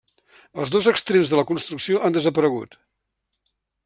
Els dos extrems de la construcció han desaparegut.